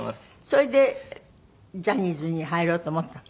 それでジャニーズに入ろうと思ったの？